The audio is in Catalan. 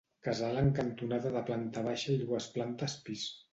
Casal en cantonada de planta baixa i dues plantes pis.